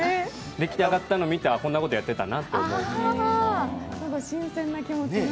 出来上がったのを見て、こんなことやってたんだなって思う。